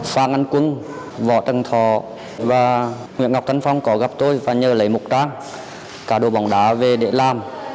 phan anh quân võ trần thọ và huyện ngọc thanh phong có gặp tôi và nhờ lấy một trang cá độ bóng đá về để làm